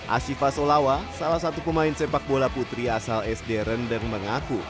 ashifa solawa salah satu pemain sepak bola putri asal sd rendeng mengaku